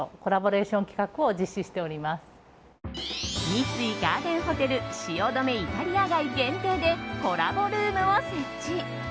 三井ガーデンホテル汐留イタリア街限定でコラボルームを設置。